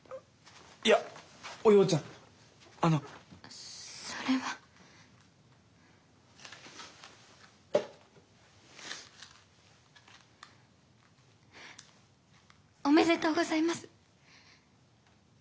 いやおようちゃんあの。それは。おめでとうございます。